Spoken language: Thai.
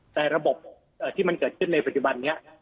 ในระบบที่มันเกิดขึ้นในพอจีบันเนี้ย